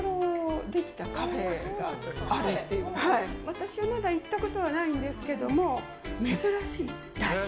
私はまだ行ったことないんですけど。